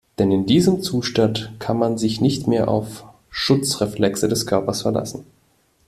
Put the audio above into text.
Denn in diesem Zustand kann man sich nicht mehr auf Schutzreflexe des Körpers verlassen.